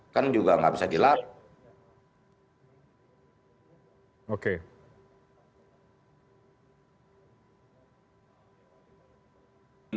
kan juga nggak bisa dilarang